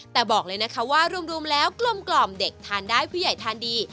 แต่บอกเลยนะคะว่ารวมแล้วกลมเด็กทานได้ผู้ใหญ่ทานดี